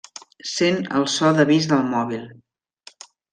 Sent el so d’avís del mòbil.